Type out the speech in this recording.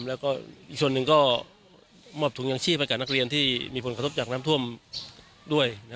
แล้วก็อีกส่วนหนึ่งก็มอบถุงยางชีพให้กับนักเรียนที่มีผลกระทบจากน้ำท่วมด้วย